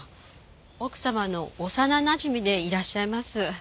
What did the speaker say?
奥様の幼なじみでいらっしゃいます。